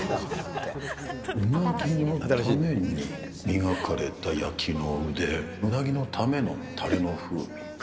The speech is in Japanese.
うなぎのために磨かれた焼きの腕、うなぎのためのたれの風味。